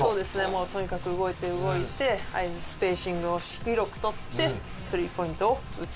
もうとにかく動いて動いてスペーシングを広く取ってスリーポイントを打つと。